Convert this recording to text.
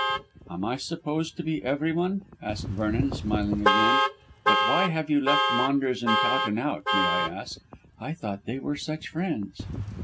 "Am I supposed to be everyone?" asked Vernon, smiling again. "But why have you left Maunders and Towton out, may I ask? I thought they were such friends."